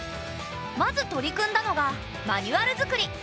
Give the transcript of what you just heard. まず取り組んだのがマニュアル作り。